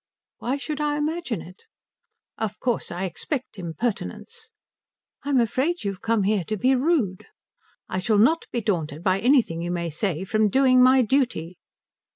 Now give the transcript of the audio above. "Why should I imagine it?" "Of course I expect impertinence." "I'm afraid you've come here to be rude." "I shall not be daunted by anything you may say from doing my duty."